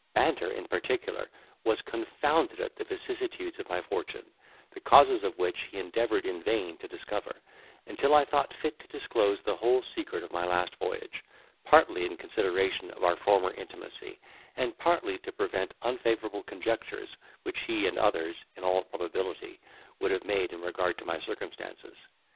Banter in particular was confounded at the vicissitudes of my fortune, the causes of which he endeavoured in vain to discover, until I thought fit to disclose the whole secret of my last voyage, partly in consideration of our former intimacy, and partly to prevent unfavourable conjectures, which he and others, in all probability, would have made in regard to my circumstances.